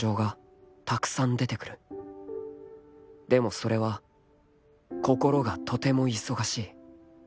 でもそれは心がとても忙しい